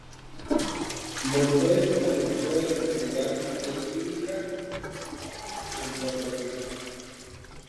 Montes comenzó el Festival de Química en Puerto Rico.